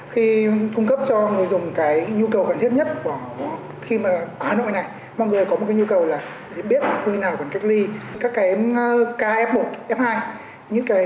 khi cung cấp cho người dùng cái nhu cầu cần thiết nhất của hanoi này